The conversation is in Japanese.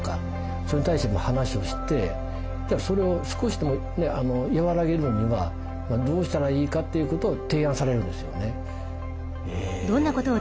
それに対しての話をしてそれを少しでも和らげるにはどうしたらいいかということを提案されるんですよね。